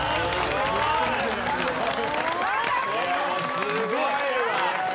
すごいわ。